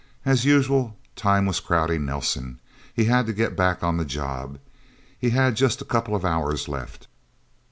As usual, time was crowding Nelsen. He had to get back on the job. He had just a couple of hours left.